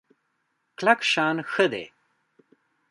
کلک شان ښه دی.